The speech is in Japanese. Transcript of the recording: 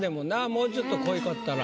もうちょっと濃いかったら。